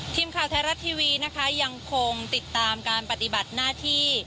ทีมข่าวไทยรัฐทีวีนะคะยังคงติดตามการปฏิบัติหน้าที่